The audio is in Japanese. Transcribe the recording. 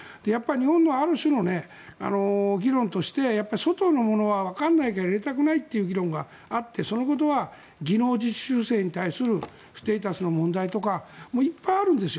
日本のある種の議論として外の者はわからないから入れたくないという議論があってそのことは技能実習生に対するステータスの問題とかいっぱいあるんです。